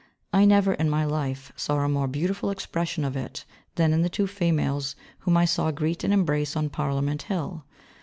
I never, in my life, saw a more beautiful expression of it than in the two females whom I saw greet and embrace on Parliament Hill.